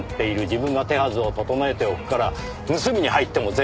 自分が手はずを整えておくから盗みに入っても絶対にバレない。